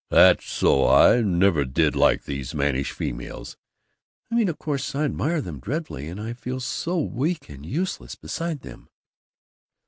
"That's so. I never did like these mannish females." "I mean of course, I admire them, dreadfully, and I feel so weak and useless beside them."